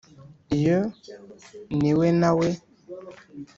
iyo ni we na we